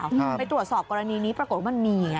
หรือเปล่าไปตรวจสอบกรณีนี้ปรากฏว่ามันมีอย่างเงี้ย